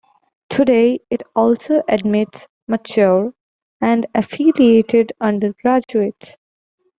Today, it also admits mature and affiliated undergraduates.